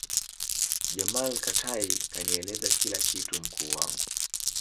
jamal Katai kanieleza kila kitu mkuu wangu